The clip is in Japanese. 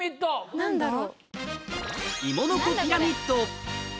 何だろう？